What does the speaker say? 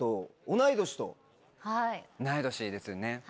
同い年ですよね。